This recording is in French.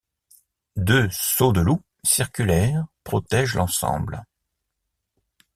Deux sauts-de-loup circulaires protègent l'ensemble.